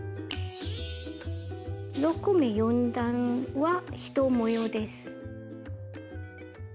６目４段は１模様です。